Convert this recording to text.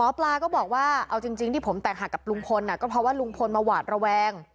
ปลาก็บอกว่าเอาจริงที่ผมแตกหักกับลุงพลก็เพราะว่าลุงพลมาหวาดระแวง